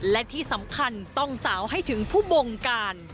และที่สำคัญต้องสาวให้ถึงผู้บงการ